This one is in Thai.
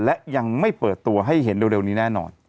และยังไม่เปิดตัวให้เห็นเร็วนี้แน่นอน